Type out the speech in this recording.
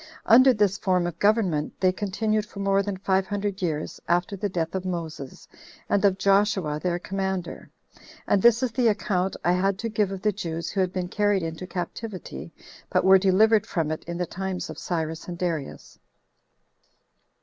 Under this form of government they continued for more than five hundred years after the death of Moses, and of Joshua their commander. And this is the account I had to give of the Jews who had been carried into captivity, but were delivered from it in the times of Cyrus and Darius.